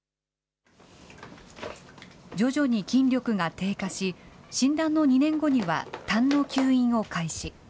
徐々に筋力が低下し、診断の２年後にはたんの吸引を開始。